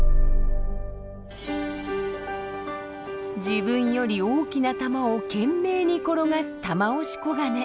自分より大きな玉を懸命に転がすタマオシコガネ。